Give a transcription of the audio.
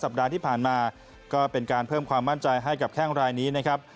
ปัดที่ผ่านมาก็เป็นการเพิ่มความมั่นใจให้กับแข้งรายนี้นะครับ